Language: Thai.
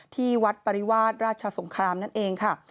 ที่วัดปริวาสราชสงครามนั่นเองค่ะ